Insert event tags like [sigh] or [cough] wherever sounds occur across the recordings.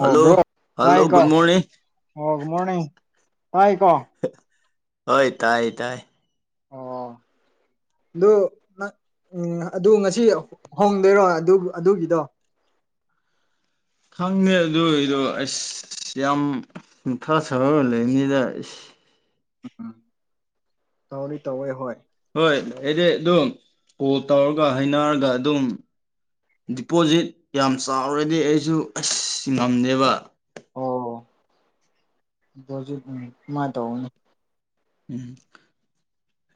ꯑꯣ hello bro hello ꯇꯥꯏꯀꯣ good morning ꯑꯣ ꯒꯨ ꯃꯣꯔꯅꯤꯡ ꯇꯥꯏꯀꯣ [unintelligible] ꯍꯣꯏ ꯇꯥꯏ ꯇꯥꯏ ꯑꯣ ꯑꯗꯨ [unintelligible] ꯑꯗꯨ ꯉꯁꯤ ꯍꯣꯡꯗꯣꯏꯔꯣ ꯑꯗꯨ ꯑꯗꯨꯒꯤꯗꯣ ꯈꯪꯗꯦ ꯑꯗꯨꯒꯤꯗꯣ ꯑꯁ ꯌꯥꯝ ꯃꯊꯥꯁꯥꯔꯒ ꯂꯩꯕꯅꯤꯗ ꯎꯝ ꯇꯧꯗꯤ ꯇꯧꯋꯦ ꯍꯣꯏ ꯍꯣꯏ ꯑꯩꯗꯤ ꯑꯗꯨꯝ ꯀꯣꯜ ꯇꯧꯔꯒ ꯍꯥꯏꯅꯔꯒ ꯑꯗꯨꯝ ꯗꯤꯄꯣꯖꯤꯠ ꯌꯥꯝ ꯆꯥꯎꯔꯗꯤ ꯑꯩꯁꯨ ꯑꯁ ꯉꯝꯗꯦꯕ ꯑꯣ ꯗꯤꯄꯣꯖꯤꯠ ꯗꯨꯃꯥꯏ ꯇꯧꯒꯅꯤ ꯎꯝ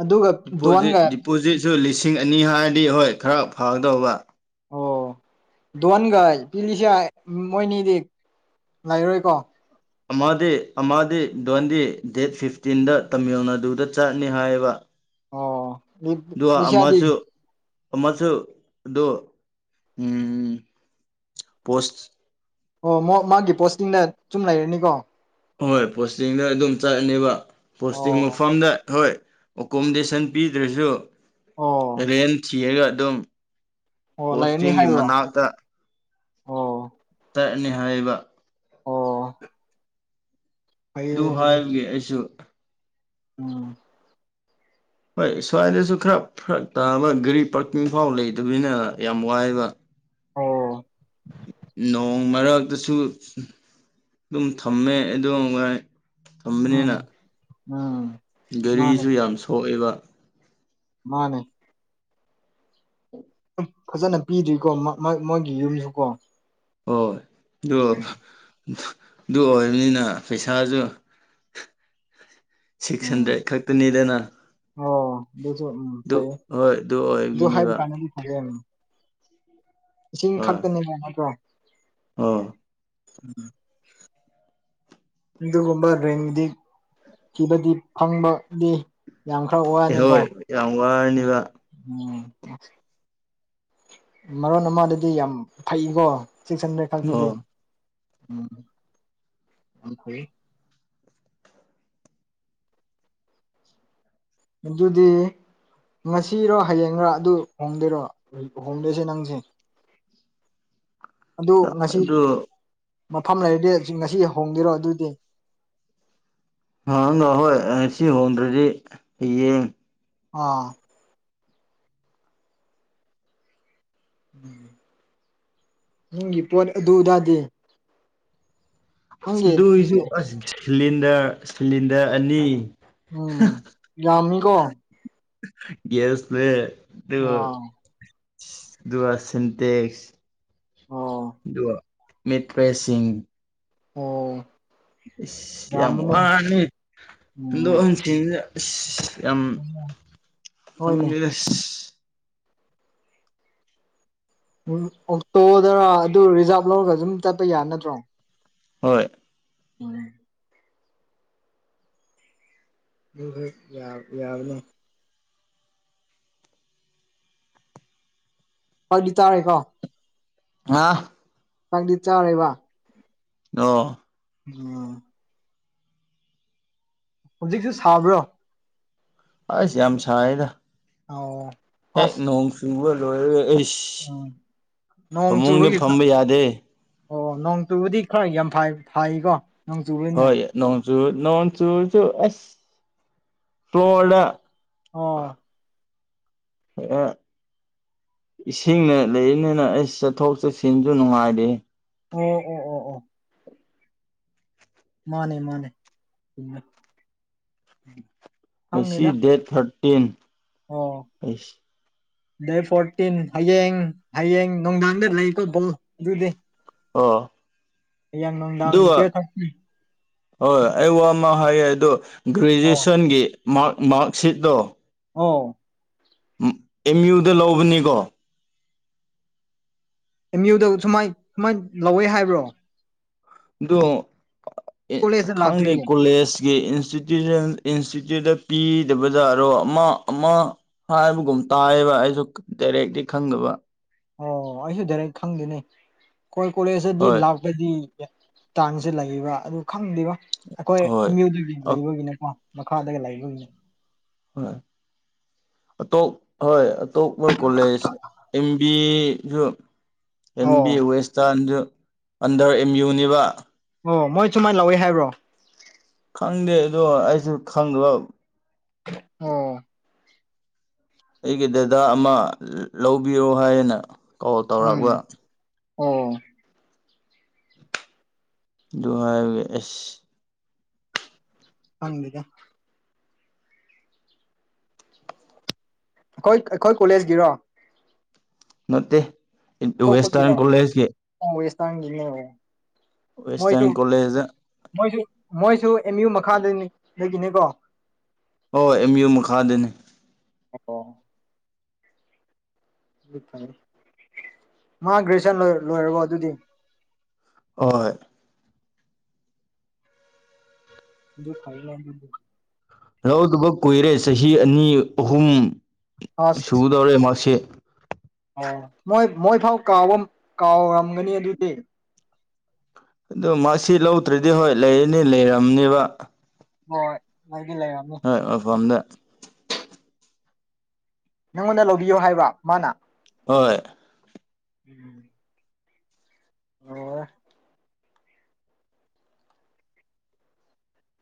ꯑꯗꯨꯒ ꯗꯤꯄꯣꯖꯤꯠ ꯗꯣꯟꯒ ꯗꯤꯄꯣꯖꯤꯠꯁꯨ ꯂꯤꯁꯤꯡ ꯑꯅꯤ ꯍꯥꯏꯔꯗꯤ ꯍꯣꯏ ꯈꯔ ꯐꯒꯗꯧꯕ ꯑꯣ ꯗꯣꯟꯒ ꯄꯤꯜꯂꯤꯁꯦ ꯃꯣꯏꯅꯤꯗꯤ ꯂꯩꯔꯣꯏꯀꯣ ꯑꯃꯗꯤ ꯑꯃꯗꯤ ꯗꯣꯟꯗꯤ ꯗꯦꯠ ꯐꯤꯐꯇꯤꯟꯗ ꯇꯥꯃꯤꯜ ꯅꯥꯗꯨꯗ ꯆꯥꯠꯅꯤ ꯍꯥꯏꯕ ꯑꯣ ꯑꯗꯨꯒ ꯑꯃꯁꯨ ꯅꯤꯁꯥꯗꯤ ꯑꯃꯁꯨ ꯑꯗꯨ ꯎꯝ ꯄꯣꯁ ꯑꯣ ꯃꯣ ꯃꯥꯒꯤ ꯄꯣꯁꯇꯤꯡꯗ ꯆꯨꯝ ꯂꯩꯔꯅꯤꯀꯣ ꯍꯣꯏ ꯄꯣꯁꯇꯤꯡꯗ ꯑꯗꯨꯝ ꯆꯠꯂꯅꯤꯕ ꯄꯣꯁꯇꯤꯡ ꯑꯣ ꯃꯐꯝꯗ ꯍꯣꯏ ꯑꯣꯀꯣꯃꯣꯗꯦꯁꯟ ꯄꯤꯗ꯭ꯔꯁꯨ ꯑꯣ ꯔꯦꯟ ꯊꯤꯔꯒ ꯑꯗꯨꯝ ꯑꯣ ꯂꯩꯔꯅꯤ ꯄꯣꯁꯇꯤꯡꯒꯤ ꯍꯥꯏꯕ꯭ꯔꯣ ꯃꯅꯥꯛꯇ ꯑꯣ ꯇꯠꯂꯅꯤ ꯍꯥꯏꯌꯦꯕ ꯑꯣ ꯐꯩꯌꯦ ꯑꯗꯨ ꯑꯗꯨꯗꯤ ꯍꯥꯏꯕꯒꯤ ꯑꯩꯁꯨ ꯎꯝ ꯍꯣꯏ ꯁ꯭ꯋꯥꯏꯗꯁꯨ ꯈꯔ ꯐꯔꯛ ꯇꯥꯕ ꯒꯥꯔꯤ ꯄꯥꯔꯀꯤꯡ ꯐꯥꯎ ꯂꯩꯗꯕꯅꯤꯅ ꯌꯥꯝ ꯋꯥꯏꯕ ꯑꯣ ꯅꯣꯡ ꯅꯣꯡ ꯃꯔꯛꯇꯁꯨ ꯑꯗꯨꯝ ꯊꯝꯃꯦ ꯑꯗꯨ [unintelligible] ꯎꯝ ꯎꯝ ꯃꯥꯅꯦ ꯒꯥꯔꯤꯁꯨ ꯌꯥꯝ ꯁꯣꯛꯑꯦꯕ ꯃꯥꯅꯦ [inaudible] ꯐꯖꯅ ꯄꯤꯗ꯭ꯔꯤꯀꯣ ꯃꯣꯏꯒꯤ ꯌꯨꯝꯁꯨ ꯀꯣ ꯍꯣꯏ ꯑꯗꯨ ꯑꯗꯨ ꯑꯣꯏꯕꯅꯤꯅ ꯄꯩꯁꯥꯁꯨ ꯁꯤꯛꯁ ꯎꯝ ꯍꯟꯗ꯭ꯔꯦꯗ ꯈꯛꯇꯅꯤꯗꯅ ꯑꯣ ꯑꯗꯨꯁꯨ ꯎꯝ ꯑꯗꯨ ꯐꯩꯌꯦ ꯍꯣꯏ ꯑꯗꯨ ꯗꯨ ꯍꯥꯏꯕꯀꯥꯟꯗ [unintelligible] ꯎꯝ ꯏꯁꯤꯡ ꯈꯛꯇꯅꯦꯕ ꯅꯠꯇ꯭ꯔꯣ ꯑꯥ [unintelligible] ꯑꯗꯨꯒꯨꯝꯕ ꯔꯦꯡꯗꯤ ꯊꯤꯕꯗꯤ ꯐꯪꯕꯗꯤ ꯌꯥꯝ ꯈꯔ ꯑꯦ ꯋꯥꯅꯤꯀꯣ ꯍꯣꯏ ꯌꯥꯝ ꯋꯥꯔꯅꯤꯕ ꯎꯝ ꯃꯔꯣꯟ ꯑꯃꯗꯗꯤ ꯌꯥꯝ ꯐꯩꯀꯣ ꯁꯤꯛꯁ ꯍꯟꯗ꯭ꯔꯦꯠ ꯈꯛꯇꯗꯤ ꯑꯣ ꯎꯝ [unintelligible] ꯑꯗꯨꯗꯤ ꯉꯁꯤꯔꯣ ꯍꯌꯦꯡꯔꯥ ꯑꯗꯨ ꯍꯣꯡꯗꯣꯏꯔꯣ ꯍꯣꯡꯗꯣꯏꯁꯦ ꯅꯪꯁꯦ ꯑꯗꯨ ꯉꯁꯤꯜ ꯑꯗꯨ ꯃꯐꯝ ꯂꯩꯔꯗꯤ ꯉꯁꯤ ꯍꯣꯡꯗꯦꯔꯣ ꯑꯗꯨꯗꯤ [unintelligible] ꯉꯁꯤ ꯍꯣꯡꯗ꯭ꯔꯗꯤ ꯍꯌꯦꯡ ꯑꯥ ꯎ ꯅꯪꯒꯤ ꯄꯣꯠ ꯑꯗꯨꯗꯥꯗꯤ ꯑꯗꯨꯏꯁꯨ ꯑꯁ ꯁꯤꯂꯤꯟꯗꯔ ꯁꯤꯂꯤꯟꯗꯔ ꯑꯅꯤ ꯎꯝ ꯌꯥꯝꯃꯤꯀꯣ ꯌꯦꯁ ꯕꯦ ꯗꯨ ꯑꯥ ꯑꯗꯨꯒ ꯁꯤꯟꯇꯦꯛꯁ ꯑꯣ ꯑꯗꯨ ꯃꯤꯠ ꯐ꯭ꯔꯦꯁꯤꯡ ꯑꯣ ꯏꯁ ꯌꯥꯝ ꯌꯥꯝꯕꯅꯦ ꯋꯥꯅꯤ ꯎꯝ ꯍꯣꯟꯗꯣꯛ ꯍꯣꯟꯖꯤꯟ ꯏꯁ ꯌꯥꯝ ꯍꯣꯏꯅꯦ ꯈꯪꯉꯦ ꯑꯁ ꯎꯝ ꯑꯣꯛꯇꯣꯗꯔ ꯑꯗꯨ ꯔꯤꯖꯥꯕ ꯂꯧꯔꯒ ꯑꯗꯨꯝ ꯆꯠꯄ ꯌꯥ ꯅꯠꯇ꯭ꯔꯣ ꯍꯣꯏ ꯍꯣꯏ ꯑꯗꯨ ꯍꯦꯛ ꯌꯥꯕ ꯌꯥꯕꯅꯦ ꯑꯩꯗꯤ ꯇꯥꯔꯦꯀꯣ ꯑ ꯄꯪꯗꯤ ꯆꯥꯎꯔꯦꯕ ꯑꯣ ꯎꯝ ꯍꯧꯖꯤꯛꯁꯨ ꯁꯥꯕ꯭ꯔꯣ ꯑꯁ ꯌꯥꯝ ꯁꯥꯏꯗ ꯑꯣ ꯍꯦꯛ ꯑꯁ ꯅꯣꯡ ꯆꯨꯕ ꯂꯣꯏꯔꯦ ꯑꯩꯁ ꯎꯝ ꯅꯣꯡ ꯐꯃꯨꯡꯗ ꯆꯨꯕꯒꯤ ꯐꯝꯕ ꯌꯥꯗꯦ ꯑꯣ ꯅꯣꯡꯆꯨꯕꯗꯤ ꯈꯔ ꯌꯥꯝ ꯐꯥꯏ ꯐꯥꯏꯀꯣ ꯍꯣꯏ ꯅꯣꯡꯆꯨ ꯅꯣꯡ ꯆꯨꯔꯁꯨ ꯑꯁ ꯐ꯭ꯂꯣꯔꯗ ꯑꯣ ꯏꯁꯤꯡꯅ ꯂꯩꯔꯤꯅꯤꯅ ꯑꯩ ꯆꯠꯊꯣꯛ ꯆꯠꯁꯤꯟꯁꯨ ꯅꯨꯡꯉꯥꯏꯔ ꯑꯣ ꯑꯣ ꯑꯣ ꯑꯣ ꯃꯥꯅꯦ ꯃꯥꯅꯦ ꯆꯨꯝꯃꯦ ꯉꯁꯤ ꯈꯪꯗꯦꯗ ꯗꯦꯠ ꯊꯥꯔꯇꯤꯟ ꯑꯣ ꯑꯩꯁ ꯗꯦꯠ ꯐꯣꯔꯇꯤꯟ ꯍꯌꯦꯡ ꯍꯌꯦꯡ ꯅꯨꯡꯗꯥꯡꯗ ꯂꯩꯀꯣ ꯕꯣꯜ ꯑꯗꯨꯗꯤ ꯑꯣ ꯍꯌꯦꯌꯥꯡ ꯅꯨꯡꯗꯥꯡ ꯑꯗꯨꯒ ꯄꯔꯦ ꯍꯣꯏ ꯑꯩ ꯋꯥ ꯑꯃ ꯍꯥꯏꯌꯦ ꯑꯗꯣ ꯑꯣ ꯒ꯭ꯔꯦꯖꯨꯑꯦꯁꯟꯒꯤ ꯃꯥ꯭ꯔꯛ ꯃꯥ꯭ꯔꯛ ꯁꯤꯠꯗꯣ ꯑꯣ ꯎꯞ ꯑꯦꯝ ꯌꯨꯗ ꯂꯧꯕꯅꯤꯀꯣ ꯑꯦꯝ ꯌꯨꯗ ꯁꯨꯃꯥꯏ ꯁꯨꯃꯥꯏꯅ ꯂꯧꯋꯦ ꯍꯥꯏꯕ꯭ꯔꯣ ꯑꯗꯨ ꯑꯦ ꯀꯣꯂꯦꯖꯇ ꯈꯪꯗꯦ ꯂꯥꯛꯇ꯭ꯔꯤꯕꯣ ꯀꯣꯂꯦꯖꯀꯤ ꯏꯟꯁꯇꯤ__ [unintelligible] ꯏꯟꯁꯇꯤꯇ꯭ꯌꯨꯠꯇ ꯄꯤꯗꯕ ꯖꯥꯠꯔꯣ ꯑꯃꯥ ꯑꯃꯥ ꯍꯥꯏꯕꯒꯨꯝ ꯇꯥꯏꯌꯦꯕ ꯑꯩꯁꯨ ꯀ ꯗꯥꯏꯔꯦꯛꯂꯤ ꯈꯪꯗꯕ ꯑꯣ ꯑꯩꯁꯨ ꯗꯥꯏꯔꯦꯛ ꯈꯪꯗꯦꯅꯦ ꯈꯣꯏ ꯀꯣꯂꯦꯖꯇꯗꯤ ꯍꯣꯏ ꯂꯥꯛ__ ꯇꯗꯤ ꯇꯥꯡꯁꯦ ꯂꯩꯌꯦꯕ ꯑꯗꯨ ꯈꯪꯗꯦꯕ ꯑꯩꯈꯣꯏ ꯍꯣꯏ ꯑꯦꯝꯌꯨꯗꯒꯤ ꯑ- ꯂꯩꯕꯒꯤꯅꯦꯀꯣ ꯃꯈꯥꯗꯒ ꯂꯩꯕꯒꯤ ꯍꯣꯏ ꯑꯇꯣꯞ ꯍꯣꯏ ꯑꯇꯣꯞꯄ ꯀꯣꯂꯦꯖ ꯑꯦꯝ ꯕꯤꯒ ꯑꯦꯝ ꯑꯣ ꯕꯤ ꯋꯦꯁꯇꯥꯟꯁꯨ ꯑꯟꯗꯔ ꯑꯦꯝ ꯌꯨꯅꯤꯕꯥ ꯑꯣ ꯃꯣꯏ ꯁꯨꯃꯥꯏꯟ ꯂꯧꯑꯦ ꯍꯥꯏꯕ꯭ꯔꯣ ꯈꯪꯗꯦ ꯑꯗꯣ ꯑꯩꯁꯨ ꯈꯪꯗ [unintelligible] [unintelligible] ꯑꯣ ꯑꯩꯒꯤ ꯗꯗꯥ ꯑꯃ ꯂ ꯂꯧꯕꯤꯌꯣ ꯍꯥꯏꯌꯦꯅ ꯀꯣꯜ ꯎꯝ ꯇꯧꯔꯛꯄ ꯑꯣ ꯑꯗꯨ ꯍꯥꯏꯕꯒꯤ ꯑꯦꯁ ꯈꯪꯗꯦꯗ ꯑꯩꯈꯣꯏ ꯑꯩꯈꯣꯏ ꯀꯣꯂꯦꯖꯒꯤꯔꯣ ꯅꯠꯇꯦ ꯑꯇꯣꯞꯄꯒꯤꯔꯣ ꯋꯦꯁꯇꯔꯟ ꯀꯣꯂꯦꯖꯀꯤ [unintelligible] ꯃꯣꯏꯁꯨ ꯋꯦꯁꯇꯔꯟ ꯀꯣꯂꯦꯖꯗ ꯃꯣꯏꯁꯨ ꯃꯣꯏꯁꯨ ꯑꯦꯝ ꯌꯨ ꯃꯈꯥꯗꯩꯅꯤ [unintelligible] ꯅꯤꯀꯣ ꯑꯣ ꯑꯦꯝ ꯌꯨ ꯃꯈꯥꯗꯅꯤ ꯑꯣ [unintelligible] ꯃꯥ ꯒ꯭ꯔꯦꯖꯨꯁꯟ ꯂꯣꯢꯔ ꯂꯣꯏꯔꯕꯣ ꯑꯗꯨꯗꯤ ꯍꯣꯏ ꯗꯨ ꯐꯩꯅꯦ ꯑꯗꯨꯗꯤ ꯂꯧꯗꯕ ꯀꯨꯏꯔꯦ ꯆꯍꯤ ꯑꯅꯤ ꯑꯍꯨꯝ ꯑꯁ ꯁꯨꯗꯧꯔꯦ ꯃꯥ꯭ꯔꯛꯁꯤꯠ ꯑꯣ ꯃꯣꯏ ꯃꯣꯏ ꯐꯥꯎ ꯀꯥꯎꯕ ꯃ ꯀꯥꯎꯔꯝ ꯀꯥꯎꯔꯝꯒꯅꯤ ꯑꯗꯨꯗꯤ ꯑꯗꯨ ꯃꯥ꯭ꯔꯛꯁꯤꯠ ꯂꯧꯗ꯭ꯔꯗꯤ ꯍꯣꯏ ꯂꯩꯌꯦꯅꯦ ꯂꯩꯔꯝꯅꯤꯕ ꯍꯣꯏ ꯅꯣꯏꯗꯤ ꯂꯩꯔꯝꯃꯤ__ ꯑꯦꯜꯐꯝꯗ ꯅꯪꯉꯣꯟꯗ ꯂꯧꯕꯤꯌꯣ ꯍꯥꯏꯕ ꯃꯥꯅ ꯍꯣꯏ ꯎꯝ ꯂꯣꯏꯌꯦꯍ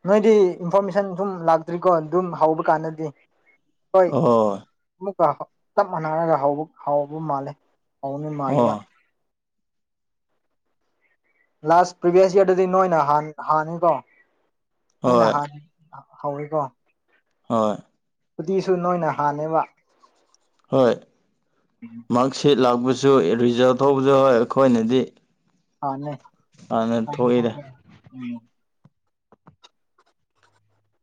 ꯅꯣꯏꯗꯤ ꯏꯟꯐꯣꯔꯃꯦꯁꯟ ꯁꯨꯝ ꯂꯥꯛꯇ꯭ꯔꯤꯀꯣ ꯑꯗꯨꯝ ꯍꯧꯕ ꯀꯥꯟꯗꯗꯤ ꯍꯣꯏ ꯑꯣ ꯑꯃꯨꯛꯀ ꯆꯞ ꯃꯥꯟꯅꯔꯒ ꯍꯧꯕ ꯍꯥꯎꯕ ꯃꯥꯜꯂꯦ ꯍꯥꯎꯅꯤ ꯃꯥꯜꯂꯦꯕ ꯑꯣ ꯂꯥꯁ ꯄ꯭ꯔꯤꯚ꯭ꯌꯁ ꯌꯔꯗꯗꯤ ꯅꯣꯏꯅ ꯍꯥꯟ ꯍꯥꯟꯅꯤꯀꯣ ꯅꯣꯏꯅ ꯍꯣꯏ ꯍꯥꯟ__ ꯍꯥꯎꯋꯦꯀꯣ ꯍꯣꯏ ꯎꯗꯨꯏꯁꯨ ꯅꯣꯏꯅ ꯍꯥꯟꯅꯦꯕ ꯍꯣꯏ ꯃꯥ꯭ꯔꯛ ꯁꯤꯠ ꯂꯥꯛꯄꯁꯨ ꯑꯦ ꯔꯤꯖꯜꯠ ꯊꯣꯛꯄꯁꯨ ꯍꯣꯏ ꯑꯩꯈꯣꯏꯅꯗꯤ ꯑꯥꯅꯦ ꯍꯥꯟꯅ ꯊꯣꯛꯏꯗ [unintelligible]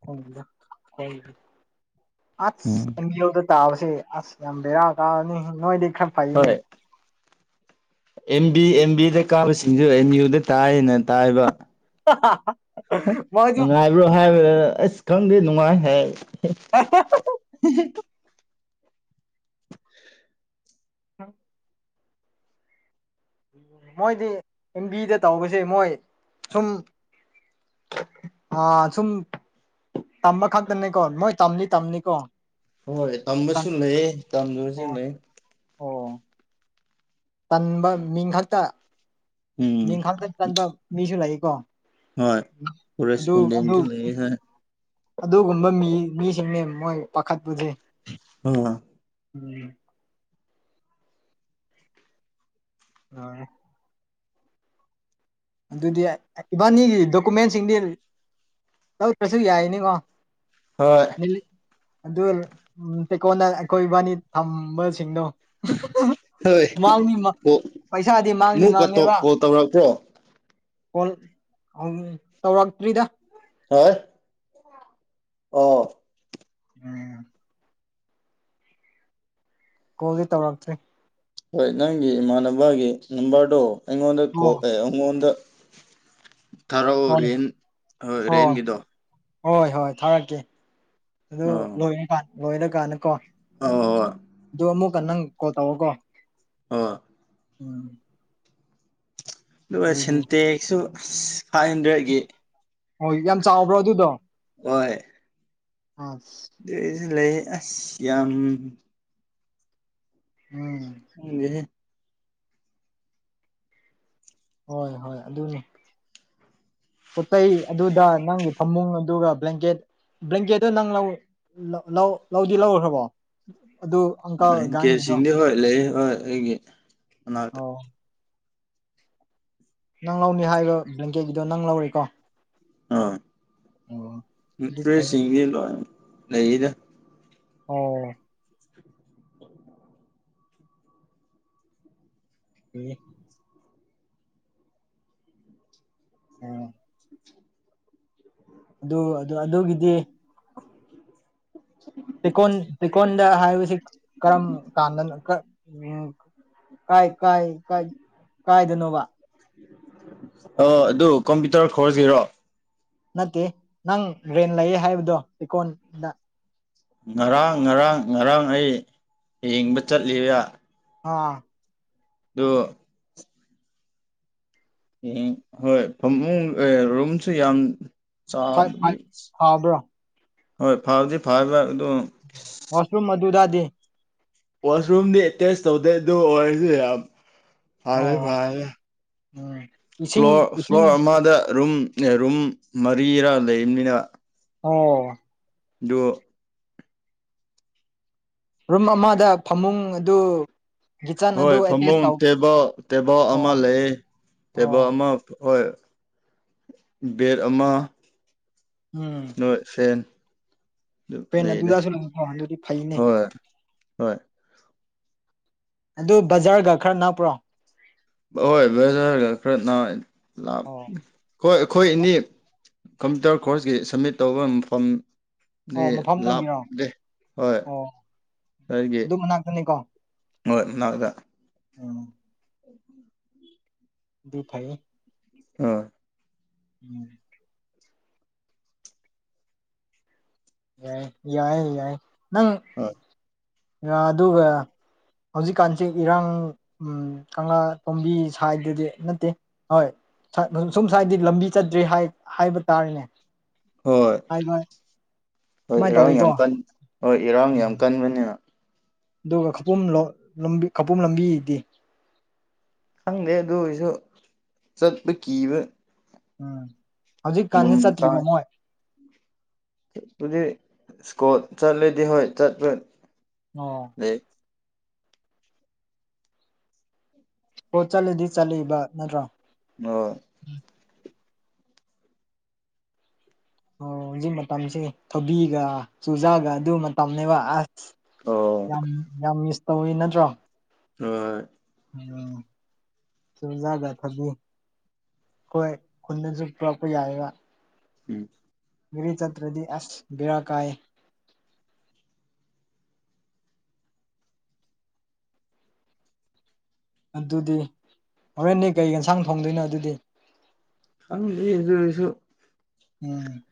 ꯈꯪꯗꯦꯗ ꯑꯈꯣꯏꯒꯤꯗꯤ [unintelligible] ꯎꯝ ꯌꯧꯗ ꯇꯥꯕꯁꯦ ꯑꯁ ꯌꯥꯝ ꯕꯦꯔꯥ ꯀꯥꯒꯅꯤ ꯅꯣꯏꯗꯤ ꯈꯔ ꯐꯩꯌꯦꯅꯦ ꯍꯣꯏ ꯑꯦꯝ ꯕꯤ ꯑꯦꯝ ꯕꯤꯗ ꯀꯥꯕꯁꯤꯡꯁꯨ ꯑꯦꯝ ꯌꯨꯗ ꯇꯥꯏꯌꯦꯅ ꯇꯥꯏꯕ꯫ ꯍꯥ ꯍꯥ ꯍꯥ꯫ ꯅꯨꯡꯉꯥꯏꯕ꯭ꯔꯣ ꯍꯥꯏꯕ ꯑꯁ ꯈꯪꯗꯦ ꯅꯨꯡꯉꯥꯏ ꯍꯥꯏ ꯑꯣ [unintelligible] ꯃꯣꯏꯗꯤ ꯑꯦꯝ ꯕꯤꯗ ꯇꯧꯕꯁꯦ ꯃꯣꯏ ꯁꯨꯝ ꯑ ꯁꯨꯝ ꯑꯃꯈꯛꯇꯅꯦꯀꯣ ꯃꯣꯏ ꯇꯝꯅꯤ ꯇꯝꯅꯤꯀꯣ꯫ ꯍꯣꯏ ꯇꯝꯕꯁꯨ ꯂꯩꯌꯦ ꯇꯝꯗꯕꯁꯨ ꯂꯩ ꯆꯟꯕ ꯃꯤꯡ ꯈꯛꯇ ꯎꯝ ꯃꯤꯡ ꯈꯛꯇ ꯆꯟꯕ ꯃꯤꯁꯨ ꯂꯩꯌꯦꯀꯣ ꯍꯣꯏ ꯑꯗꯨ ꯑꯗꯨ ꯀꯣꯔꯦꯁꯄꯣꯟꯗꯦꯟꯁꯨ ꯂꯩꯌꯦ ꯍꯥꯏ ꯑꯗꯨꯒꯨꯝꯕ ꯃꯤ ꯃꯤꯁꯤꯡꯅꯦ ꯃꯣꯏ ꯄꯥꯈꯠꯄꯨꯁꯦ ꯑꯥ꯫ ꯎꯝ ꯉꯥꯎꯔꯦ ꯑꯗꯨꯗꯤ ꯏꯕꯥꯅꯤꯒꯤ ꯗꯣꯀꯨꯃꯦꯟꯁꯤꯡꯗꯤ ꯇꯧꯗ꯭ꯔꯁꯨ ꯌꯥꯏꯅꯤꯀꯣ ꯍꯣꯏ ꯑꯗꯨ ꯆꯦꯛꯀꯣꯟꯗ ꯑꯩꯈꯣꯏ ꯏꯕꯥꯅꯤ ꯊꯝꯕꯁꯤꯡꯗꯣ ꯍꯣꯏ [unintelligible] ꯄꯩꯁꯥꯗꯤ ꯃꯥꯡꯗꯤ ꯑꯃꯨꯛꯀ ꯃꯥꯡꯉꯦꯕ ꯀꯣꯜ ꯇꯧꯔꯛꯄ꯭ꯔꯣ [unintelligible] ꯇꯧꯔꯛꯇ꯭ꯔꯤꯗ [unintelligible] ꯑꯣ꯫ ꯎꯝ ꯀꯣꯜꯗꯤ ꯇꯧꯔꯛꯇ꯭ꯔꯦ꯫ ꯍꯣꯏ ꯅꯪꯒꯤ ꯏꯃꯥꯟꯅꯕꯒꯤ ꯅꯝꯕꯔꯗꯣ ꯑꯩꯉꯣꯟꯗ ꯑꯣ ꯀꯣꯜ ꯑꯦ ꯑꯉꯣꯟꯗ꯫ ꯊꯥꯔꯛꯑꯣ ꯍꯣꯏ ꯔꯦꯟ ꯍꯣꯏ ꯔꯦꯟꯒꯤꯗꯣ ꯍꯣꯏ ꯍꯣꯏ ꯊꯥꯔꯛꯀꯦ ꯑꯗꯨ ꯑꯣ ꯂꯣꯏꯔ ꯀꯥꯟ ꯂꯣꯏꯔ ꯀꯥꯟꯗꯀꯣ ꯑꯣ ꯍꯣꯏ ꯗꯨ ꯑꯃꯨꯛꯀ ꯅꯪ ꯀꯣꯜ ꯇꯧꯋꯣꯀꯣ ꯑ ꯎꯝ ꯗꯨꯒ ꯑꯗꯨꯗꯤ ꯁꯤꯟꯇꯦꯛꯁꯨ ꯐꯥꯏꯚ ꯍꯟꯗ꯭ꯔꯦꯠꯀꯤ ꯍꯣꯏ ꯌꯥꯝ ꯆꯥꯎꯕ꯭ꯔꯣ ꯑꯗꯨꯗꯣ ꯍꯣꯏ ꯑꯁ ꯁꯤꯂꯩ ꯑꯁ ꯌꯥꯝ ꯎꯝ ꯈꯪꯗꯦꯅꯦ ꯍꯣꯏ ꯍꯣꯏ ꯑꯗꯨꯅꯤ ꯄꯣꯇꯩ ꯑꯗꯨꯗ ꯅꯪꯒꯤ ꯐꯃꯨꯡ ꯑꯗꯨꯒ ꯕ꯭ꯂꯦꯡꯀꯦꯠ꯫ ꯕ꯭ꯂꯦꯡꯀꯦꯠꯇ ꯅꯪ ꯂꯧ ꯂ ꯂꯧꯂꯧꯗꯤ ꯂꯧꯈ꯭ꯔꯕꯣ ꯑꯗꯨ ꯑꯪꯀꯜ ꯒꯥꯡꯒꯤꯗꯣ ꯕ꯭ꯂꯪꯀꯦꯠꯁꯤꯡꯗꯤ ꯍꯣꯏ ꯂꯩ ꯍꯣꯏ ꯑꯩꯒꯤ ꯃꯅꯥꯛꯇ ꯑꯣ ꯅꯪ ꯂꯧꯅꯤ ꯍꯥꯏꯕ ꯕ꯭ꯂꯦꯡꯀꯦꯠꯒꯤꯗꯣ ꯅꯪ ꯂꯧꯔꯦꯀꯣ ꯑꯣ ꯍꯣꯏ ꯑꯗꯨ ꯐꯩꯌꯦ ꯐ꯭ꯔꯦꯁꯁꯤꯡꯗꯤ ꯂꯣꯏ ꯂꯩꯔꯤꯗ ꯑꯣ ꯑꯦ ꯎꯝ ꯑꯗꯨ ꯑꯗꯨ ꯑꯗꯨꯒꯤꯗꯤ [unintelligible] ꯇꯦꯀꯣꯟ ꯇꯦꯀꯣꯟꯗ ꯍꯥꯏꯕꯁꯤ ꯀꯔꯝ ꯀꯥꯟꯗ ꯀꯥꯏ ꯀꯥꯏ ꯀꯥꯏ ꯀꯥꯏꯗꯥꯅꯣꯕ꯫ ꯑꯣ ꯑꯗꯨ ꯀꯝꯄ꯭ꯌꯨꯇꯔ ꯀꯣꯔꯁ ꯒꯤꯔꯣ꯫ ꯅꯠꯇꯦ ꯅꯪ ꯔꯦꯟ ꯂꯩꯌꯦ ꯍꯥꯏꯕꯗꯣ ꯏꯀꯣꯟꯗ ꯉꯔꯥꯡ ꯉꯔꯥꯡ ꯉꯔꯥꯡ ꯑꯩ ꯌꯦꯡꯕ ꯆꯠꯂꯦ ꯕ꯫ ꯑꯥ ꯗꯣ [unintelligible] ꯍꯣꯏ ꯐꯃꯨꯡ ꯑꯦ ꯔꯨꯝꯁꯨ ꯌꯥꯝ ꯐ ꯐꯕ ꯆꯥꯎꯕꯗꯤ ꯐꯥꯕ꯭ꯔꯥ꯫ ꯍꯣꯏ ꯐꯕꯗꯤ ꯐꯔꯤꯕ ꯑꯗꯣ ꯋꯥꯁꯔꯨꯝ ꯃꯗꯨꯗꯥꯗꯤ ꯋꯥꯁꯔꯨꯝꯗꯤ ꯑꯦꯇꯦꯁ ꯇꯧꯗꯦ ꯑꯗꯨ ꯑꯣꯏꯔꯁꯨ ꯌꯥꯝ ꯐꯔꯦ ꯑꯣ ꯐꯔꯦ ꯎꯝ ꯏꯁꯤꯡ ꯐ꯭ꯂꯣꯔ ꯏꯁꯤꯡ ꯐ꯭ꯂꯣꯔ ꯑꯃꯗ ꯔꯨꯝ ꯔꯨꯝ ꯃꯔꯤꯔꯥ ꯂꯩꯕꯅꯤꯅ ꯑꯣ ꯗꯨ ꯔꯨꯝ ꯑꯃꯗ ꯐꯃꯨꯡ ꯑꯗꯨ ꯀꯤꯠꯆꯟ ꯍꯣꯏ ꯑꯗꯨ ꯑꯦꯇꯦꯁ ꯐꯃꯨꯡ ꯇꯧ ꯇꯦꯕꯜ ꯇꯦꯕꯜ ꯑꯃ ꯑꯣ ꯂꯩ ꯇꯦꯕꯜ ꯑꯣ ꯑꯃ ꯍꯣꯏ ꯕꯦꯠ ꯑꯃ꯫ ꯎꯝ꯫ ꯅꯣꯏ ꯐꯦꯟ ꯑꯗꯨ ꯄꯦꯟ ꯂꯩꯗ ꯑꯗꯨꯗꯁꯨ ꯂꯩꯕ ꯑꯗꯨꯗꯤ ꯐꯩꯅꯦ ꯍꯣꯏ ꯍꯣꯏ ꯑꯗꯣ ꯕꯖꯥꯔꯒ ꯈꯔ ꯅꯛꯄ꯭ꯔꯣ꯫ ꯍꯣꯏ ꯑꯣ [unintelligible] ꯑꯩꯈꯣꯏ ꯑꯅꯤ ꯀꯝꯄ꯭ꯌꯨꯇꯔ ꯀꯣꯔꯁꯀꯤ ꯁꯕꯃꯤꯠ ꯇꯧꯕ ꯃꯐꯝ ꯑꯣ ꯃꯐꯝ ꯅꯪꯒꯤꯔꯣ [unintelligible] ꯍꯣꯏ ꯑꯣ ꯑꯩꯒꯤ ꯑꯗꯨ ꯃꯅꯥꯛꯇꯅꯤꯀꯣ ꯃꯣꯏ ꯃꯅꯥꯛꯇ꯫ ꯎꯝ ꯗꯨ ꯐꯩꯌꯦ꯫ ꯎꯝ꯫ ꯎꯝ꯫ ꯌꯥꯏ ꯌꯥꯏ ꯌꯥꯏ ꯅꯪ ꯍꯣꯏ ꯑꯗꯨꯒ ꯍꯧꯖꯤꯛꯀꯥꯟꯁꯦ ꯏꯔꯥꯡ ꯎꯝ ꯀꯪꯂꯥ ꯇꯣꯝꯕꯤ ꯁꯥꯏꯗꯗꯤ ꯅꯠꯇꯦ ꯍꯣꯏ ꯎꯝ ꯁꯨꯝ ꯁ꯭ꯋꯥꯏꯗꯤ ꯂꯝꯕꯤ ꯆꯠꯇ꯭ꯔꯤ ꯍꯥꯢ ꯍꯥꯏꯕ ꯇꯥꯔꯦꯅꯦ ꯍꯣꯏ ꯍꯥꯏ ꯍꯣꯏ ꯏꯔꯥꯡ ꯌꯥꯝ ꯀꯟꯕ ꯍꯣꯏ ꯏꯔꯥꯡ ꯌꯥꯝ ꯀꯟꯕꯅꯤꯅ꯫ ꯗꯨꯒ ꯈꯧꯄꯨꯝ ꯔꯣꯝ ꯂꯝꯕꯤ ꯈꯧꯄꯨꯝ ꯂꯝꯕꯤꯗꯤ꯫ ꯈꯪꯗꯦ ꯑꯗꯨ ꯑꯣꯏ ꯁꯨ ꯆꯠꯄ ꯀꯤꯕ ꯎꯝ ꯍꯧꯖꯤꯛꯀꯥꯟꯖꯦ ꯆꯠꯇ꯭ꯔꯤꯕꯣ ꯃꯣꯏ꯫ ꯗꯨꯗꯤ ꯁꯀꯣꯠ ꯆꯠꯂꯗꯤ ꯍꯣꯏ ꯆꯠꯄ ꯑꯣ꯫ [unintelligible] ꯑꯣ ꯆꯠꯂꯗꯤ ꯆꯠꯂꯦꯕ ꯅꯠꯇ꯭ꯔꯣ꯫ ꯍꯣ꯫ ꯑꯣ ꯍꯧꯖꯤꯛ ꯃꯇꯝꯁꯦ ꯊꯕꯤꯒ ꯆꯨꯖꯥꯛꯒ ꯑꯗꯨ ꯃꯇꯝꯅꯦꯕ ꯑ ꯌꯥꯝ ꯌꯥꯝ ꯃꯤꯁ ꯇꯧꯋꯦ ꯅꯠꯇ꯭ꯔꯣ꯫ [unintelligible] ꯎꯝ ꯆꯨꯖꯥꯛꯒ ꯊꯕꯤ ꯈꯣꯏ ꯈꯨꯟꯗꯁꯨ ꯄꯨꯔꯛꯄ ꯌꯥꯏꯌꯦꯕ ꯎꯝ ꯒꯔꯤ ꯆꯇ꯭ꯔꯗꯤ ꯑꯁ ꯕꯦꯔꯥ ꯀꯥꯏꯌꯦ ꯑꯗꯨꯗꯤ ꯍꯣꯔꯦꯟꯅꯦ ꯀꯩ ꯌꯦꯟꯁꯥꯡ ꯊꯣꯡꯗꯣꯏꯅꯣ ꯑꯗꯨꯗꯤ ꯈꯪꯗ꯭ꯔꯤ ꯑꯗꯨ ꯑꯣꯏꯔꯁꯨ ꯎꯝ꯫